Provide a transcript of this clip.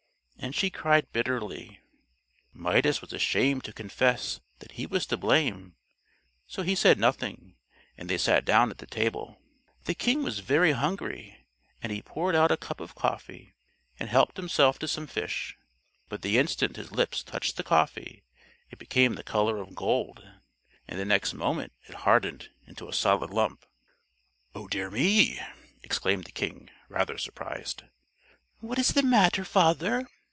and she cried bitterly. Midas was ashamed to confess that he was to blame, so he said nothing, and they sat down at the table. The King was very hungry, and he poured out a cup of coffee and helped himself to some fish, but the instant his lips touched the coffee it became the color of gold, and the next moment it hardened into a solid lump. "Oh dear me!" exclaimed the King, rather surprised. "What is the matter, father?"